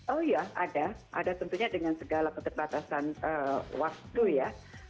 oh ya ada ada tentunya dengan segala keterbatasan waktu ya